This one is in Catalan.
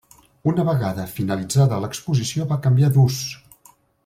Una vegada finalitzada l'Exposició va canviar d'ús.